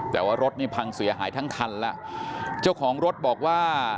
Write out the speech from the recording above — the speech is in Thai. แต่ว่ารถนี่พังเสียหายทั้งคันแล้วเจ้าของรถบอกว่า